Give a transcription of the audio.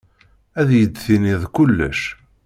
Ad iyi-d-tiniḍ kullec.